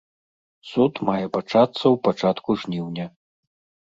Суд мае пачацца ў пачатку жніўня.